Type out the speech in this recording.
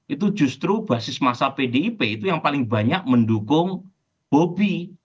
itu justru basis masa pdip itu yang paling banyak mendukung bobby